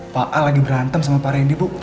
pak al lagi berantem sama pak rendi bu